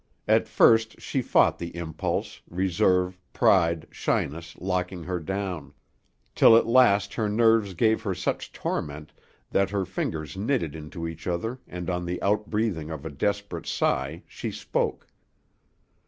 At first she fought the impulse, reserve, pride, shyness locking her down, till at last her nerves gave her such torment that her fingers knitted into each other and on the outbreathing of a desperate sigh she spoke.